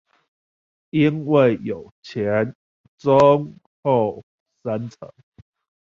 因為有前、中、後三層